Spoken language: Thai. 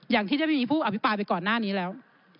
อย่างที่ได้ไม่มีผู้อภิปรายไปก่อนหน้านี้แล้ว